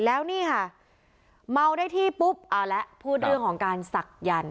แล้วนี่ค่ะเมาได้ที่ปุ๊บเอาละพูดเรื่องของการศักยันต์